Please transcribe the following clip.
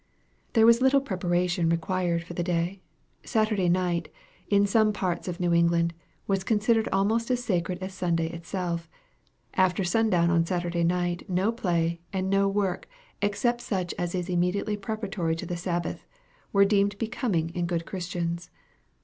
There was little preparation required for the day. Saturday night, in some parts of New England, was considered almost as sacred as Sunday itself. After sundown on Saturday night no play, and no work except such as is immediately preparatory to the Sabbath, were deemed becoming in good Christians.